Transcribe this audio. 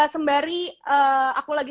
sembari aku lagi